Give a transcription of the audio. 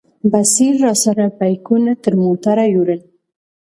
بصیر راسره بیکونه تر موټره یوړل.